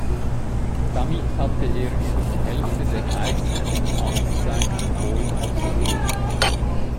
Damit hatte er über die Hälfte der eigentlichen Amtszeit von Boyd absolviert.